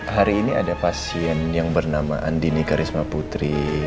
hari ini ada pasien yang bernama andini karisma putri